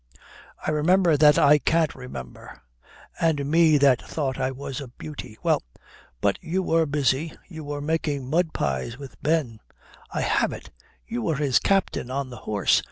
"I remember that I can't remember." "And me that thought I was a beauty! Well, but you were busy. You were making mud pies with Ben." "I have it. You were his captain on the horse.